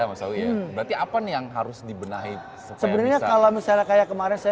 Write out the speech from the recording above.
mas awi berarti apa nih yang harus dibenahi sebenarnya kalau misalnya kayak kemarin saya